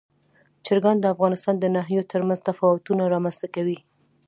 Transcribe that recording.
چرګان د افغانستان د ناحیو ترمنځ تفاوتونه رامنځ ته کوي.